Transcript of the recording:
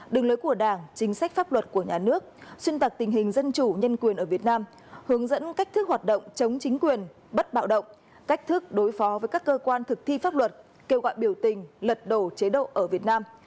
đường lối của đảng chính sách pháp luật của nhà nước xuyên tạc tình hình dân chủ nhân quyền ở việt nam hướng dẫn cách thức hoạt động chống chính quyền bất bạo động cách thức đối phó với các cơ quan thực thi pháp luật kêu gọi biểu tình lật đổ chế độ ở việt nam